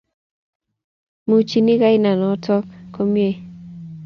Muchini kaina notok komie